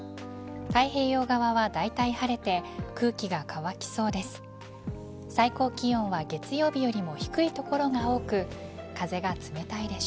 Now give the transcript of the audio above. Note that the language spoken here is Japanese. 太平洋側は大体晴れて空気が乾きそうです。